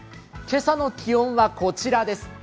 今朝の気温はこちらです。